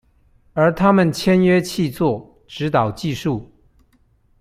而他們簽約契作，指導技術